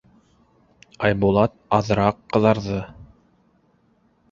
Айбулат аҙыраҡ ҡыҙарҙы: